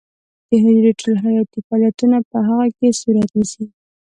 د حجرې ټول حیاتي فعالیتونه په هغې کې صورت نیسي.